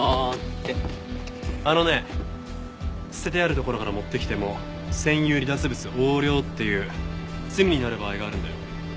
あのね捨ててあるところから持ってきても占有離脱物横領っていう罪になる場合があるんだよ。